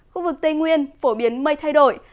khu vực tây nguyên phổ biến mây thay đổi